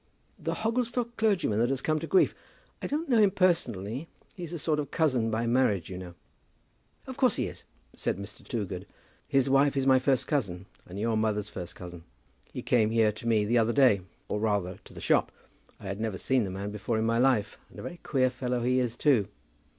"The Hogglestock clergyman that has come to grief? I don't know him personally. He's a sort of cousin by marriage, you know." "Of course he is," said Mr. Toogood. "His wife is my first cousin, and your mother's first cousin. He came here to me the other day; or rather to the shop. I had never seen the man before in my life, and a very queer fellow he is too.